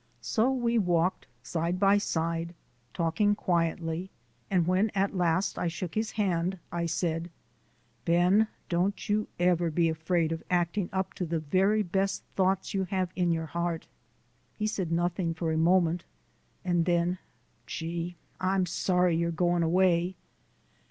So we walked side by side, talking quietly and when at last I shook his hand I said: "Ben, don't you ever be afraid of acting up to the very best thoughts you have in your heart." He said nothing for a moment, and then: "Gee! I'm sorry you're goin' away!"